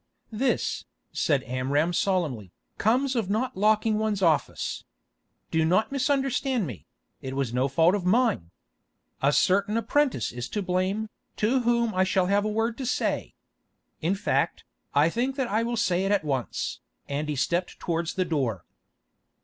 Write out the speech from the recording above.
"This," said Amram solemnly, "comes of not locking one's office. Do not misunderstand me; it was no fault of mine. A certain apprentice is to blame, to whom I shall have a word to say. In fact, I think that I will say it at once," and he stepped towards the door.